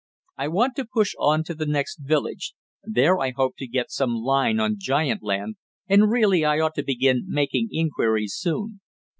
"I want to push on to the next village. There I hope to get some line on giant land, and really I ought to begin making inquiries soon.